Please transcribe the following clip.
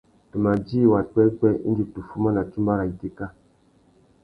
Tu ma djï wapwêpwê indi tu fuma na tsumba râ itéka.